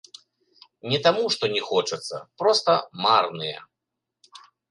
Не таму што не хочацца, проста марныя.